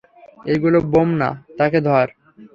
এই গুলা বোম না, তাকে ধর!